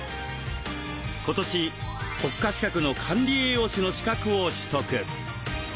今年国家資格の管理栄養士の資格を取得。